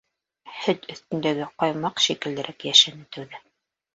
Һөт өҫтөндәге ҡаймаҡ шикеллерәк йәшәне тәүҙә.